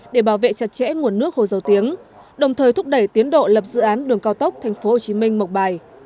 để bảo vệ chặt chẽ nguồn nước hồ dầu tiếng đồng thời thúc đẩy tiến độ lập dự án đường cao tốc tp hcm mộc bài